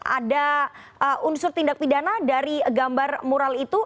ada unsur tindak pidana dari gambar mural itu